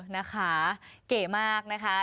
นะคะเก๋มากนะคะ